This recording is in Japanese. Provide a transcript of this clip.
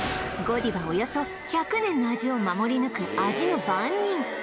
およそ１００年の味を守り抜く味の番人